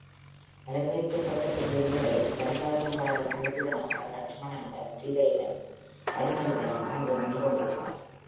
அலங்கரிக்கப்பட்ட பெரிய மேடையில் சர்வாலங்கார பூஷிதனாக லக்ஷ்மணனுடனும் சீதையுடனும் அனுமனுடனும் அங்கு நின்று கொண்டிருப்பான்.